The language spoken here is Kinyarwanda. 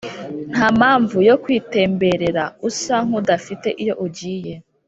nta mpamvu yo kwitemberera usa nk’udafite iyo ugiye